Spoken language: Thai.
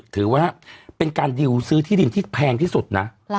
ถือว่าเป็นการดิวซื้อที่ดินที่แพงที่สุดนะ